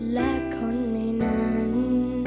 และคนในนั้น